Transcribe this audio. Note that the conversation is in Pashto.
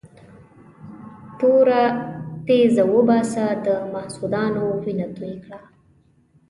توره تېزه وباسه د حسودانو وینه توی کړه.